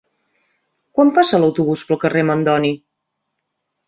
Quan passa l'autobús pel carrer Mandoni?